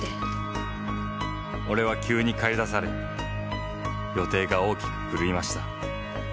俺は急にかり出され予定が大きく狂いました。